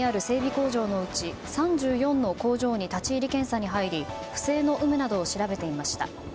工場のうち３４の工場に立ち入り検査に入り不正の有無などを調べていました。